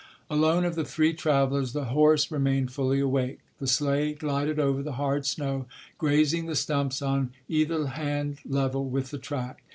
Alone of the three travellers the horse remained fully awake. The sleigh glided over the hard snow, grazing the stumps on either hand level with the track.